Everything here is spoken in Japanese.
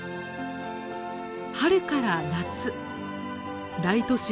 春から夏大都市